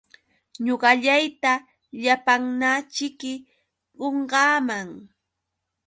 Ñuqallayta llapanñaćhiki qunqaaman.